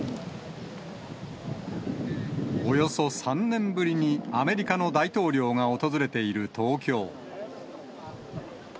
およそ３年ぶりにアメリカの大統領が訪れている東京。